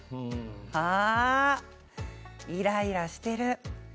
あっ、イライラしてる。